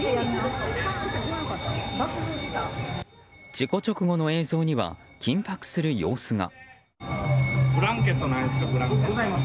事故直後の映像には緊迫する様子が。